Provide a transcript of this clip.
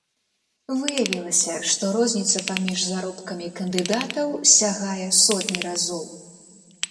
Выявілася, што розніца паміж заробкамі кандыдатаў сягае сотні разоў.